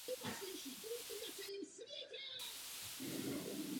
Jejím současným arcibiskupem je Anthony Colin Fisher.